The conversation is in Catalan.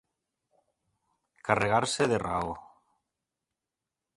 Carregar-se de raó.